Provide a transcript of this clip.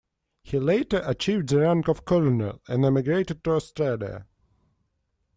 He later achieved the rank of colonel and emigrated to Australia.